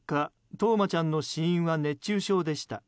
冬生ちゃんの死因は熱中症でした。